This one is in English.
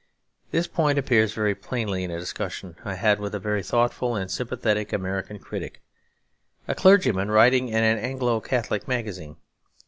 This point appeared very plainly in a discussion I had with a very thoughtful and sympathetic American critic, a clergyman writing in an Anglo Catholic magazine.